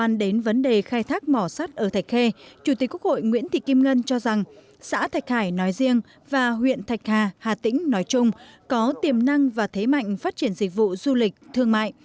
quan đến vấn đề khai thác mỏ sắt ở thạch khê chủ tịch quốc hội nguyễn thị kim ngân cho rằng xã thạch hải nói riêng và huyện thạch hà hà tĩnh nói chung có tiềm năng và thế mạnh phát triển dịch vụ du lịch thương mại